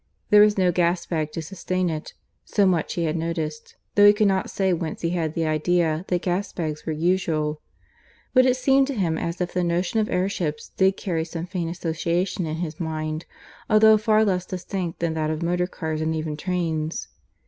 There was no gas bag to sustain it so much he had noticed though he could not say whence he had the idea that gas bags were usual. But it seemed to him as if the notion of airships did carry some faint association to his mind, although far less distinct than that of motor cars and even trains.